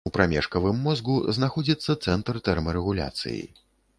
У прамежкавым мозгу знаходзіцца цэнтр тэрмарэгуляцыі.